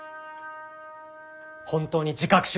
本当に自覚しろよ！